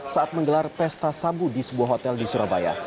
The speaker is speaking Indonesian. saat menggelar pesta sabu di sebuah hotel di surabaya